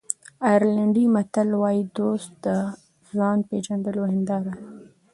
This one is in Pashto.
آیرلېنډي متل وایي دوست د ځان پېژندلو هنداره ده.